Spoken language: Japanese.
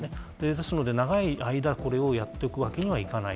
ですので、長い間、これをやっていくわけにはいかない。